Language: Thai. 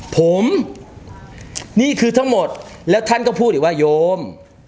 ผมนี่คือทั้งหมดแล้วท่านก็พูดอีกว่าโยม